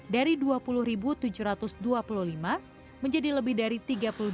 dari dua puluh tujuh ratus dua puluh lima menjadi lebih dari tiga puluh dua liter per detik dengan cakupan